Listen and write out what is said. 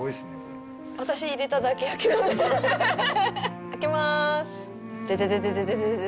私、入れただけやけどね。